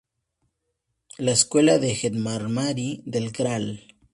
La Escuela de Gendarmería “Del Gral.